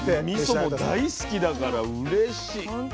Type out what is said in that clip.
みそも大好きだからうれしい。